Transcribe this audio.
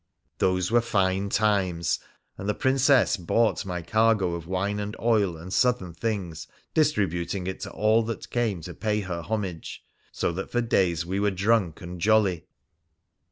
Those were fine times, and the Princess bought my cargo of wine and oil and Southern things, distributing it to all that came to pay her homage, so that for days we were drunk and jolly.